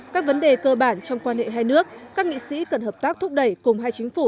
các vấn đề cơ bản trong quan hệ hai nước các nghị sĩ cần hợp tác thúc đẩy cùng hai chính phủ